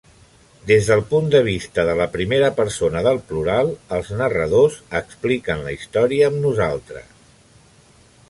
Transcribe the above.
Des del punt de vista de la primera persona del plural, els narradors expliquen la història amb "nosaltres".